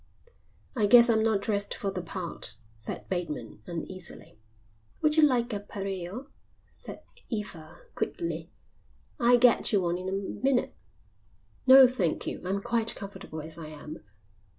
"I guess I'm not dressed for the part," said Bateman, uneasily. "Would you like a pareo?" said Eva quickly. "I'll get you one in a minute." "No, thank you. I'm quite comfortable as I am."